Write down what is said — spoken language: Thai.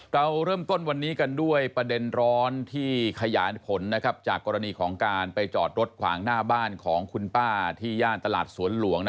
เราเริ่มต้นวันนี้กันด้วยประเด็นร้อนที่ขยายผลจากกรณีของการไปจอดรถขวางหน้าบ้านของคุณป้าที่ย่านตลาดสวนหลวง